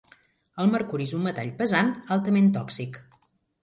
El mercuri és un metall pesant altament tòxic.